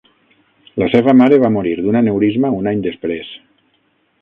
La seva mare va morir d'un aneurisma un any després.